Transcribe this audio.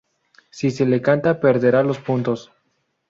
Si se le canta perderá los puntos.